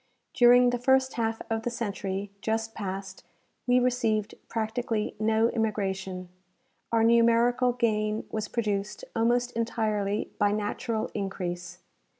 During the first half of the century just passed we received practically no immigration ; our numerical gain was produced almost entirely by natural increase.